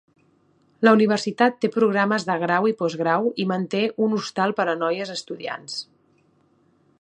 La universitat té programes de grau i postgrau i manté un hostal per a noies estudiants.